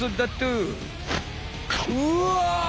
うわ！